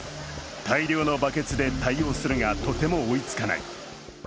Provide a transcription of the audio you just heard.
大量のバケツで対応するがとても追いつかない。